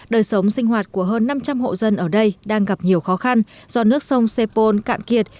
đời sống sinh hoạt của hơn năm trăm linh hộ dân ở đây đang gặp nhiều khó khăn do nước sông sepol cạn kiệt